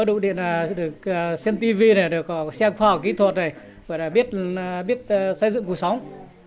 đủ điện để xem tivi xem khoa học kỹ thuật biết xây dựng cuộc sống